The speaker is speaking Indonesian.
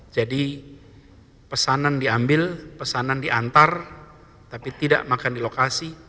jadi pesanan diambil pesanan diantar tapi tidak makan di lokasi